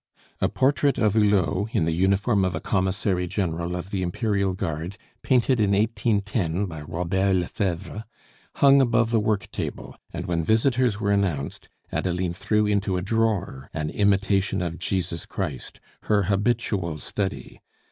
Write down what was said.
A portrait of Hulot, in the uniform of a Commissary General of the Imperial Guard, painted in 1810 by Robert Lefebvre, hung above the work table, and when visitors were announced, Adeline threw into a drawer an Imitation of Jesus Christ, her habitual study.